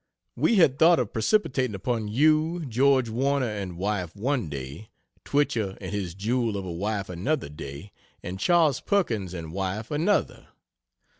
We had thought of precipitating upon you George Warner and wife one day; Twichell and his jewel of a wife another day, and Chas. Perkins and wife another.